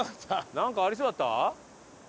なんかありそうだった？